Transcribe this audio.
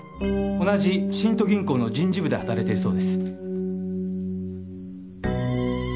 同じ新都銀行の人事部で働いているそうです。